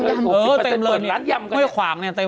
ยำอ๋อเต็มเลยไม่ขวามเนี่ยเต็ม